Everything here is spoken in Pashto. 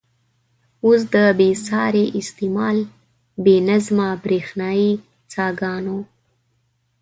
اوس د بې ساري استعمال، بې نظمه برېښنايي څاګانو.